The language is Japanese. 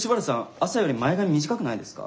朝より前髪短くないですか？